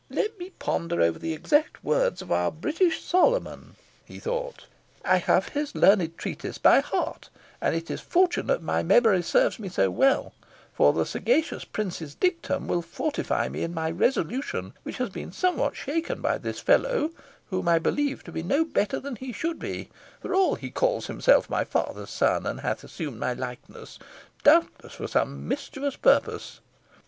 "Let me ponder over the exact words of our British Solomon," he thought. "I have his learned treatise by heart, and it is fortunate my memory serves me so well, for the sagacious prince's dictum will fortify me in my resolution, which has been somewhat shaken by this fellow, whom I believe to be no better than he should be, for all he calls himself my father's son, and hath assumed my likeness, doubtless for some mischievous purpose.